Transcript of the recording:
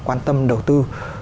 quan tâm đầu tư